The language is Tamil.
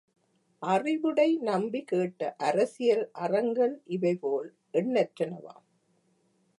அறிவுடை நம்பி கேட்ட அரசியல் அறங்கள் இவைபோல் எண்ணற்றனவாம்.